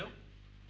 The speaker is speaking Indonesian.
terima kasih pak